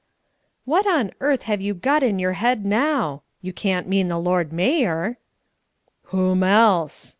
"What on earth have you got into your head now? You can't mean the Lord Mayor?" "Whom else?"